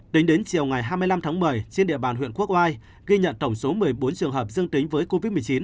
tính đến chiều ngày hai mươi năm tháng một mươi trên địa bàn huyện quốc oai ghi nhận tổng số một mươi bốn trường hợp dương tính với covid một mươi chín